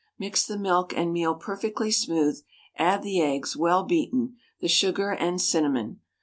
Mix the milk and meal perfectly smooth, add the eggs, well beaten, the sugar and cinnamon.